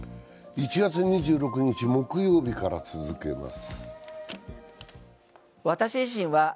１月２６日木曜日から続けます